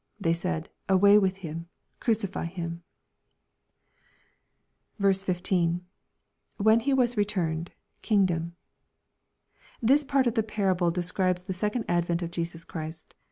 They said, " Away with Him 1" " Crucify him." 15. —[ When Tie was returned..Mngdom.] This part of the parable de scribes the second advent of Jesus Christ.